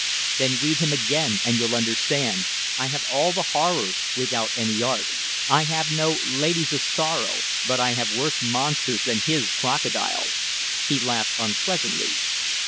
"Then read him again and you'll understand. I have all the horrors without any art. I have no 'Ladies of Sorrow,' but I have worse monsters than his 'crocodile'." He laughed unpleasantly.